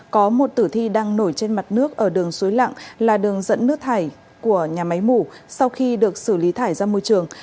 có một tử thi đang nổi trên mặt nước ở đường suối lặng là đường dẫn nước thải của nhà máy mủ sau khi được xử lý thải ra môi trường